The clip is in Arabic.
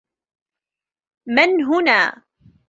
من هنا؟